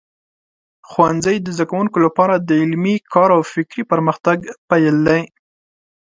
ښوونځی د زده کوونکو لپاره د علمي کار او فکري پرمختګ پیل دی.